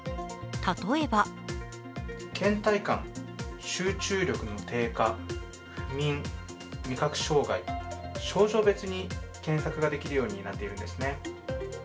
例えばけん怠感、集中力の低下、不眠、味覚障害、症状別に検索ができるようになっているんですね。